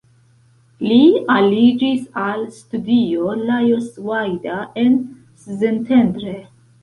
Li aliĝis al studio Lajos Vajda en Szentendre.